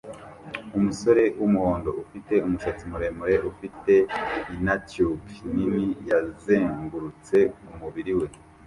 Umusore wumuhondo ufite umusatsi muremure ufite innertube nini yazengurutse umubiri we